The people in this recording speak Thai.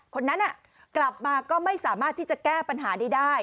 คนนั้นกลับมาก็ไม่สามารถที่จะแก้ปัญหานี้ได้